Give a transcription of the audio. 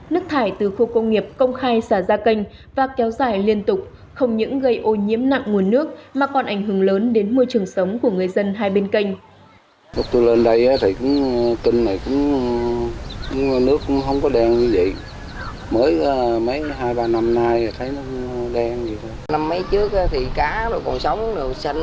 nước thải từ khu công nghiệp công khai xả ra canh và kéo dài liên tục không những gây ô nhiễm nặng nguồn nước mà còn ảnh hưởng lớn đến môi trường sống của người dân hai bên canh